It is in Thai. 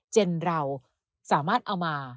เจนเราสามารถเอามา